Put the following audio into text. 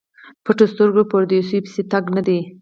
پټو سترګو پردیو پسې تګ نه دی.